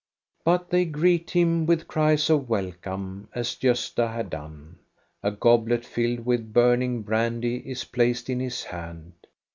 But they greet him with cries of welcome, as Gosta had done. A goblet filled with burning brandy is placed in his hand.